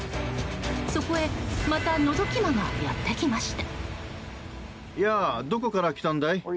そこへ、またのぞき魔がやってきました。